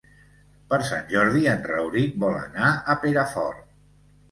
Per Sant Jordi en Rauric vol anar a Perafort.